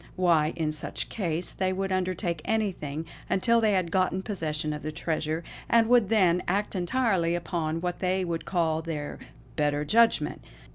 Why, in such case, they would undertake anything, until they had got possession of the treasure; and would then act entirely upon what they would call their 'better judgment.'"